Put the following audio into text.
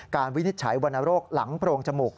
วินิจฉัยวรรณโรคหลังโพรงจมูก